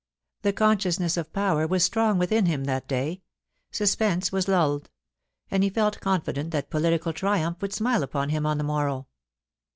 The consciousness of power was strong within him that day ; suspense was lulled ; and he felt confident that political triumph would smile upon him on the morrow.